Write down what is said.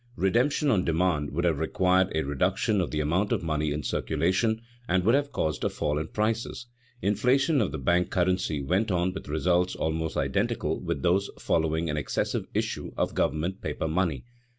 Redemption on demand would have required a reduction of the amount of money in circulation and would have caused a fall in prices. Inflation of the bank currency went on with results almost identical with those following an excessive issue of government paper money.